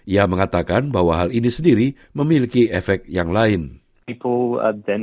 ia mengatakan bahwa hal ini sendiri memiliki ekstremitas